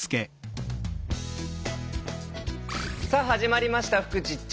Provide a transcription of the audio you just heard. さあ始まりました「フクチッチ」。